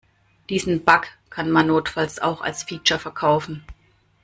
Diesen Bug kann man notfalls auch als Feature verkaufen.